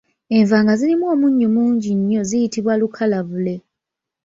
Enva nga zirimu omunnyo mungi nnyo ziyitibwa Lukalabule